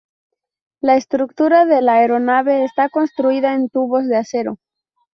La estructura de la aeronave está construida en tubos de acero.